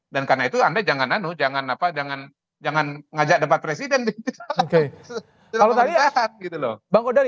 dan karena itu anda jangan ngajak debat presiden